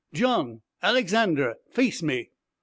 John, Alexander, face me!'